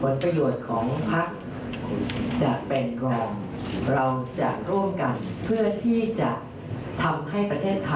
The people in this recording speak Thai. ผลประโยชน์ของพักจะไปกรองเราจะร่วมกันเพื่อที่จะทำให้ประเทศไทย